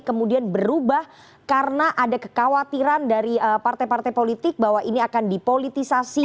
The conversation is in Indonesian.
kemudian berubah karena ada kekhawatiran dari partai partai politik bahwa ini akan dipolitisasi